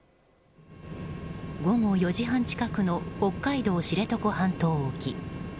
午後４時半近くの北海道知床半島沖。